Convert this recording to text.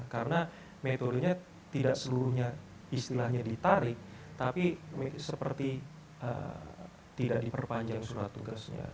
karena metodenya tidak seluruhnya istilahnya ditarik tapi seperti tidak diperpanjang surat tugasnya